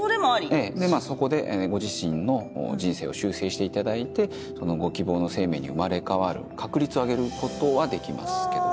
⁉ええでそこでご自身の人生を修正していただいてご希望の生命に生まれ変わる確率を上げることはできます。